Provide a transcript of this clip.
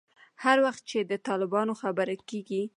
هر وخت چې د طالبانو خبره کېږي.